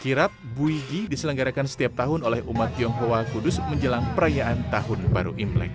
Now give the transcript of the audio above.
kirap buigi diselenggarakan setiap tahun oleh umat tionghoa kudus menjelang perayaan tahun baru imlek